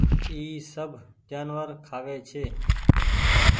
اي سب جآنور کآوي ڇي۔